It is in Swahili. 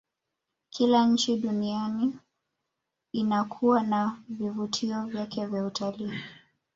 kila nchi duniani inakuwa na vivutio vyake vya utaliii